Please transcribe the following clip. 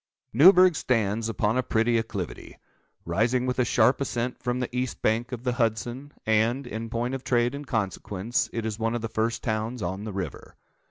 Newburgh stands upon a pretty acclivity, rising with a sharp ascent from the east bank of the Hudson; and, in point of trade and consequence, it is one of the first towns on the river.